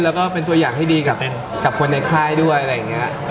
แล้วก็เป็นตัวอย่างที่ดีกับคนในค่ายด้วยอะไรอย่างนี้